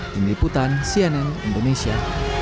dini putan cnn indonesia